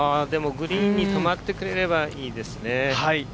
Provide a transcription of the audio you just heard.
グリーンに止まってくれればいいですね。